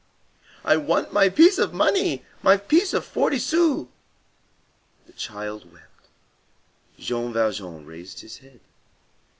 "I want my piece of money! my piece of forty sous!" The child wept. Jean Valjean raised his head.